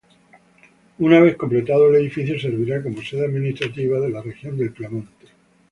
Una vez completado el edificio servirá como sede administrativa de la región del Piamonte.